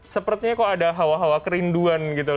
sepertinya kok ada hawa hawa kerinduan gitu loh